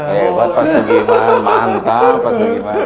hebat pasugiman mantap pasugiman